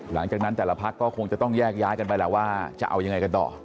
หลังจากนั้นแต่ละพักก็คงจะต้องแยกย้ายกันไปแล้วว่าจะเอายังไงกันต่อ